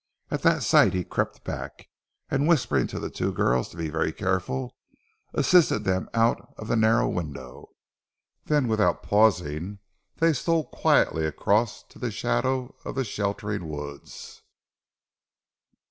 At that sight he crept back, and, whispering to the two girls to be very careful, assisted them out of the narrow window. Then without pausing they stole quietly across to the shadow of the sheltering woods.